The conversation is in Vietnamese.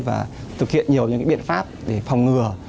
và thực hiện nhiều những biện pháp để phòng ngừa